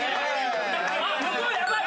あっ向こうヤバい。